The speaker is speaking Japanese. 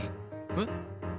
えっ？